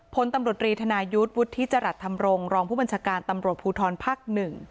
พลตำรวจรีธนายุทธ์วุฒิจรัสธรรมรงค์รองผู้บัญชาการตำรวจภูทรภักดิ์๑